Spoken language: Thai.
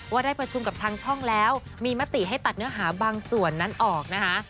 ว่าได้ประชุมกับทางช่องแล้วมีมติให้ตัดเนื้อหาบางส่วนนั้นออกนะคะ